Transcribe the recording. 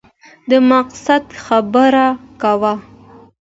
د مقصد خبره کوه !